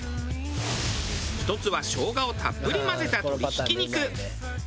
１つは生姜をたっぷり混ぜた鶏ひき肉。